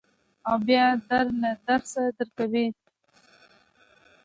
او بیا در له درس درکوي.